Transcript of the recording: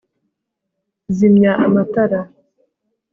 zimya amatara